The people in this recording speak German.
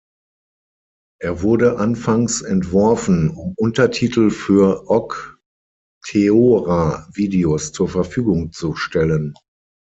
Er wurde anfangs entworfen, um Untertitel für Ogg-Theora-Videos zur Verfügung zu stellen.